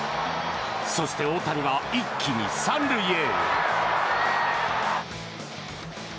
そして、大谷は一気に３塁へ。